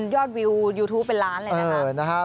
ยอดวิวยูทูปเป็นล้านเลยนะครับ